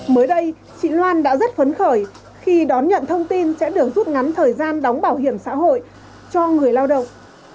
mới đây chị loan đã rất phấn khởi khi đón nhận thông tin sẽ được rút ngắn thời gian đóng bảo hiểm xã hội cho người lao động